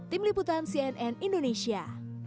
tim liputan cnn indonesia